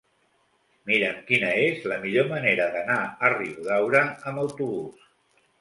Mira'm quina és la millor manera d'anar a Riudaura amb autobús.